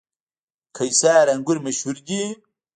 قیصار انګور مشهور دي؟